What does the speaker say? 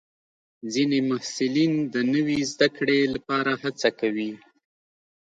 ځینې محصلین د نوي زده کړې لپاره هڅه کوي.